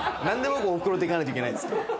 何で僕お袋と行かないといけないんですか。